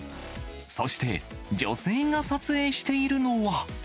そして、女性が撮影しているのは。